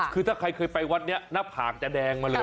คือถ้าใครเคยไปวัดนี้หน้าผากจะแดงมาเลย